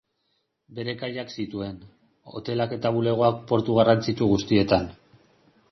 Bere kaiak zituen, hotelak eta bulegoak portu garrantzitsu guztietan.